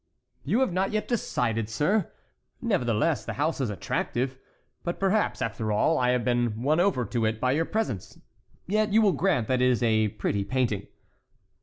"You have not yet decided, sir? Nevertheless, the house is attractive. But perhaps, after all, I have been won over to it by your presence. Yet you will grant that is a pretty painting?"